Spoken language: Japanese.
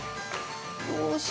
よし。